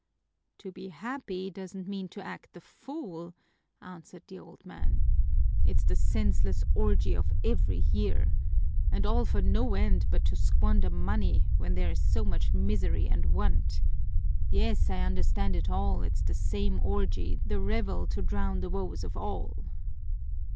"To be happy doesn't mean to act the fool," answered the old man. "It's the senseless orgy of every year! And all for no end but to squander money, when there is so much misery and want. Yes, I understand it all, it's the same orgy, the revel to drown the woes of all."